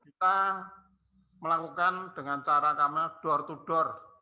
kita melakukan dengan cara kami door to door